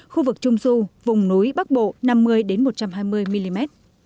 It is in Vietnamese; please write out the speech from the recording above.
khu vực trung du vùng núi bắc bộ năm mươi một trăm hai mươi mm